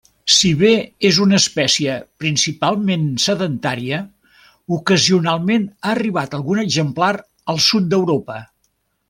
Si bé és una espècie principalment sedentària, ocasionalment ha arribat algun exemplar al sud d'Europa.